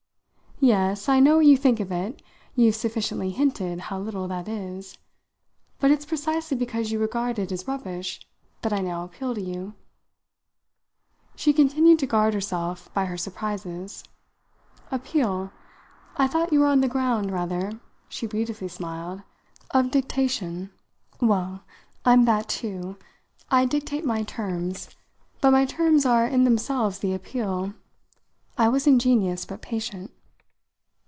"Yes I know what you think of it; you've sufficiently hinted how little that is. But it's precisely because you regard it as rubbish that I now appeal to you." She continued to guard herself by her surprises. "Appeal? I thought you were on the ground, rather," she beautifully smiled, "of dictation." "Well, I'm that too. I dictate my terms. But my terms are in themselves the appeal." I was ingenious but patient.